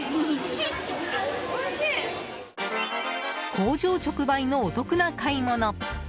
工場直売のお得な買い物。